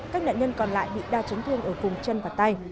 các nạn nhân còn lại bị đa chấn thương ở vùng chân và tay